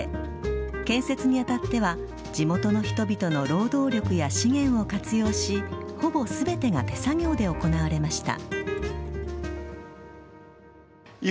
建設にあたっては地元の人々の労働力や資源を活用しほぼ全てが手作業で行われました。